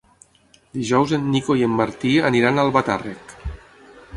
Dijous en Nico i en Martí aniran a Albatàrrec.